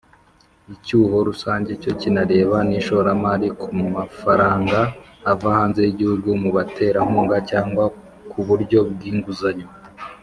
icyuho rusange (cyo kinareba n'ishoramari ku mafaranga ava hanze y'igihugu mu baterankunga cyangwa ku buryo bw'inguzanyo).